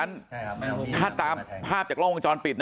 มันต้องการมาหาเรื่องมันจะมาแทงนะ